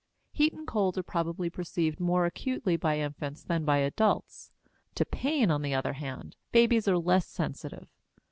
Heat and cold are probably perceived more acutely by infants than by adults; to pain, on the other hand, babies are less sensitive.